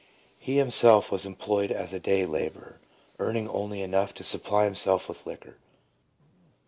He himself was employed as a day labourer, earning only enough to supply himself with liquor.